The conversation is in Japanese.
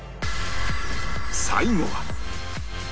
最後は